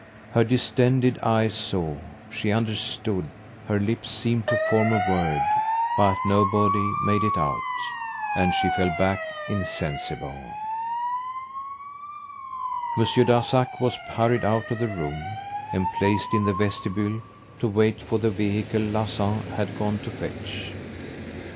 Her distended eyes saw she understood her lips seemed to form a word, but nobody made it out; and she fell back insensible. Monsieur Darzac was hurried out of the room and placed in the vestibule to wait for the vehicle Larsan had gone to fetch.